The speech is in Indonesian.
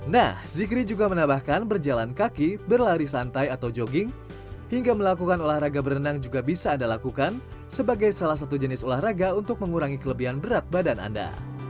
nah zikri juga menambahkan berjalan kaki berlari santai atau jogging hingga melakukan olahraga berenang juga bisa anda lakukan sebagai salah satu jenis olahraga untuk mengurangi kelebihan berat badan anda